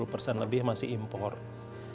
baik sebagai bahan baku maupun sebagai implan untuk tubuh